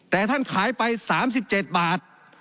แต่ท่านขายไป๓๗บาท